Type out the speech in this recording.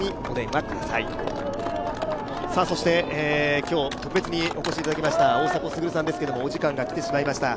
今日特別にお越しいただきました大迫傑さんですけれども、お時間が来てしましました。